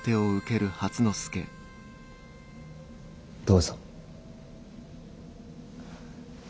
どうぞ。